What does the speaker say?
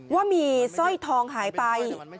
ว่ามีสร้อยทองหายไป